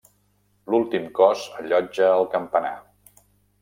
L'últim cos allotja el campanar.